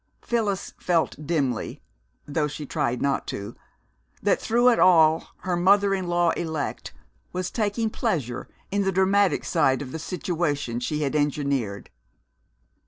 Phyllis felt dimly, though she tried not to, that through it all her mother in law elect was taking pleasure in the dramatic side of the situation she had engineered.